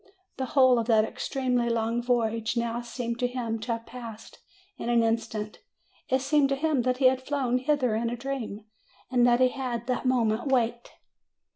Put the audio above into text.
The whole of that ex tremely long voyage now seemed to him to have passed in an instant. It seemed to him that he had flown hither in a dream, and that he had that moment waked.